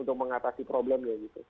untuk mengatasi problem